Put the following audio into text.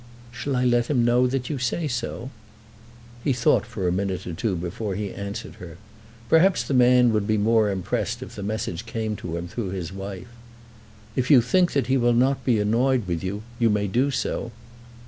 "Shall I let him know that you say so?" He thought for a minute or two before he answered her. Perhaps the man would be more impressed if the message came to him through his wife. "If you think that he will not be annoyed with you, you may do so."